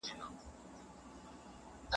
له باغه وشړل شو